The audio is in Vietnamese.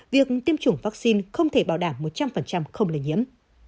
việc tiêm chủng vaccine không thể bảo đảm một trăm linh không lây nhiễm